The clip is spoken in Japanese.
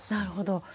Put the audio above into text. なるほど。